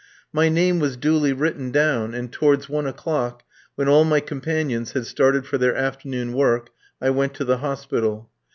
My name was duly written down, and towards one o'clock, when all my companions had started for their afternoon work, I went to the hospital.